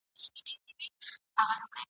ما که یادوې که هېروې ګیله به نه لرم ..